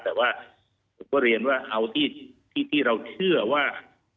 แต่ว่าผมก็เรียนว่าเอาที่เราเชื่อว่า